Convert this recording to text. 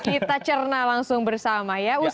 kita cerna langsung bersama ya